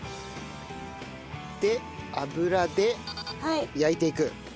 で油で焼いていく。